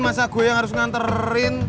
masa gue yang harus nganterin